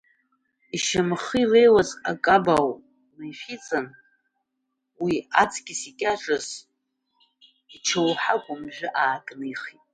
Ишьамхы илеиуаз акаба ау наишәиҵан, уи аҵкыс икьаҿыз ичоуҳа кәымжәы аакнихит.